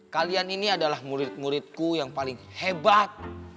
kalian ini adalah murid muridku yang paling hebat